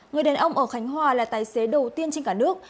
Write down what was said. người đàn ông ở khánh hòa là tài xế đầu tiên trên cả nước